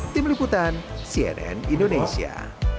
tim liputan cnn indonesia